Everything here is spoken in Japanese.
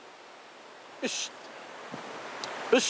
よし！